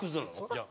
じゃあ。